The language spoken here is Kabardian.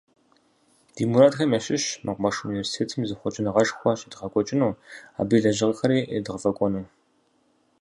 Ди мурадхэм ящыщщ мэкъумэш университетым зэхъуэкӏыныгъэшхуэ щедгъэкӏуэкӏыну, абы и лэжьыгъэри едгъэфӏэкӏуэну.